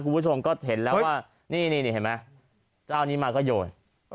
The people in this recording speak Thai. คุณผู้ชมก็เห็นแล้วว่าเจ้านี้มาก็โยน